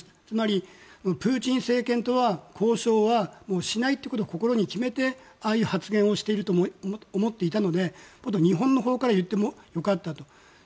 つまりプーチン政権とは交渉はしないと心に決めてああいう発言をしてると思っていたのでもっと日本のほうから言っても良かったと。